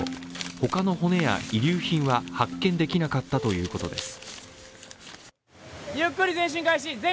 他の骨や遺留品は発見できなかったということです。